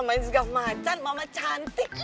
namanya sgaf macan mama cantik